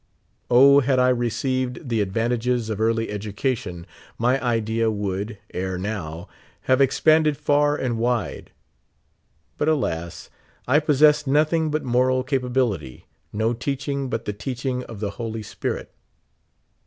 O, had I received the advantages of early education, my idea would, 'ere now, have ex panded far and wide ; but, alas ! I possess nothing but moral capability — no teaching but the teaching of the Holy Spirit.